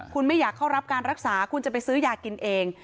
คุณไม่อยากเข้ารับการรักษาคุณจะไปซื้อยากินเอง